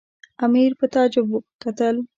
امیر په تعجب وکتل.